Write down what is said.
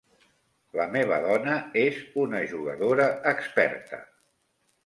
La meva dona és una jugadora experta.